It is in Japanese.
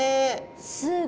すごい！